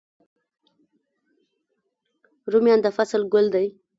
رومیان د فصل ګل دی